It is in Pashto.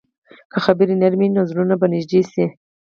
که خبرې نرمې وي، نو زړونه به نږدې شي.